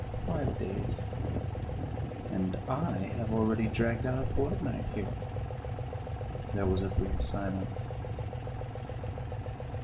"Five days." "And I have already dragged out a fortnight here." There was a brief silence.